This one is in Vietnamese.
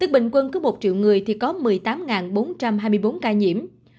vâng cứ một triệu người thì có một mươi tám bốn trăm hai mươi bốn ca nhiễm